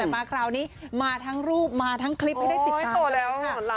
แต่มาคราวนี้มาทั้งรูปมาทั้งคลิปให้ได้ติดตามแล้วค่ะ